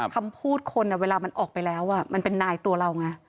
คำพูดคนเวลามันออกไปแล้วมันเป็นนายตัวเราไง